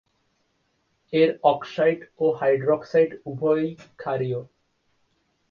এর অক্সাইড ও হাইড্রক্সাইড উভয়ই ক্ষারীয়।